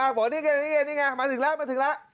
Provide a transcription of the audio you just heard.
นี่ไงนี่ไงมาถึงแล้วมาถึงแล้ว